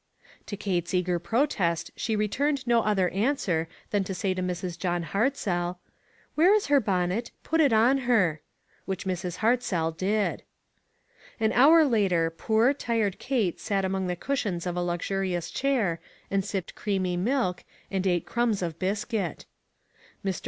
To Kate's eager protest she returned no other answer than to say to Mrs. John Hartzell : "Where is her bonnet? Put it on her." Which Mrs/ Hartzell did. An hour later poor, tired Kate sat among the cushions of a luxurious chair, and sipped creamy milk, and ate crumbs of biscuit. Mr.